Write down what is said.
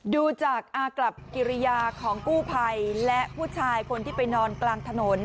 ดูจากอากับกิริยาของกู้ภัยและผู้ชายคนที่ไปนอนกลางถนน